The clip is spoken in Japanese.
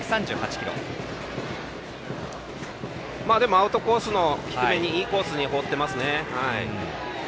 アウトコースの低めにいいコースに放ってますね。